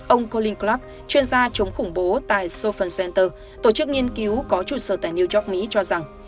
ông koling clark chuyên gia chống khủng bố tại sophen center tổ chức nghiên cứu có trụ sở tại new york mỹ cho rằng